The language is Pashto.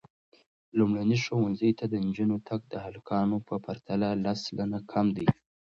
لومړني ښوونځي ته د نجونو تګ د هلکانو په پرتله لس سلنه کم دی.